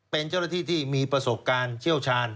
เป็นเจ้าหน้าที่ที่มีประสบการณ์เชี่ยวชาญ